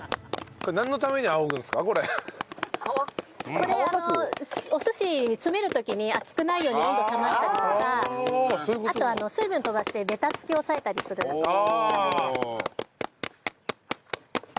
これこれお寿司詰める時に熱くないように温度を冷ましたりとかあと水分を飛ばしてベタつきを抑えたりするために。